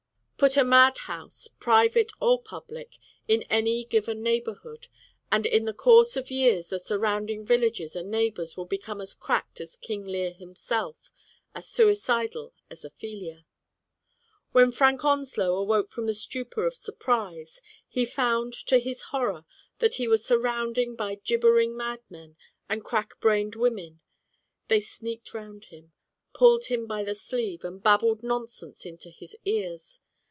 Put a madhouse, private or public, in any given neighborhood, and in the course of years the surrounding villages and neighbors will become as cracked as King Lear himself, as suicidal as Ophelia, When Frank Onslow awoke from the stupor of surprise, he found to his horror that he was sur rounded by gibbering madmen and crack brained women. They sneaked round him, pulled him by the sleeve, and babbled nonsense into his ears.